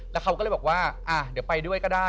แล้วเขาก็เลยบอกว่าเดี๋ยวไปด้วยก็ได้